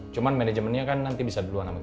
cuma manajemennya kan nanti bisa duluan sama kita